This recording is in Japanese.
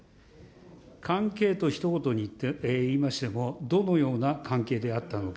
関係とひと言に言いましても、どのような関係であったのか。